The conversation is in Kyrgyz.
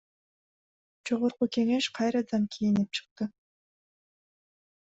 Жогорку Кеңеш кайрадан кийинип чыкты